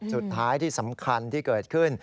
สุดท้ายที่สำคัญที่เกิดขึ้น